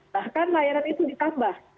bahkan layanan itu ditambah